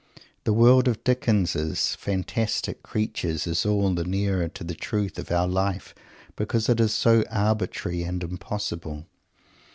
The world of Dickens' fantastic creations is all the nearer to the truth of our life because it is so arbitrary and "impossible."